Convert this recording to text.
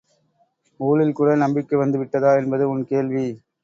ஊழில்கூட நம்பிக்கை வந்து விட்டதா என்பது உன் கேள்வி!